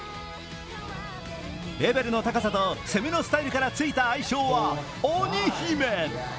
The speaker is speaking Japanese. レベルの高さと攻めのスタイルからついた愛称は鬼姫。